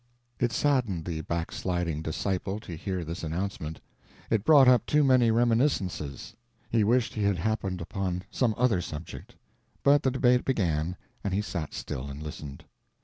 It saddened the backsliding disciple to hear this announcement. It brought up too many reminiscences. He wished he had happened upon some other subject. But the debate began, and he sat still and listened.